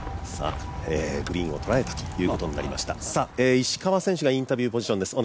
石川選手がインタビューポジションです。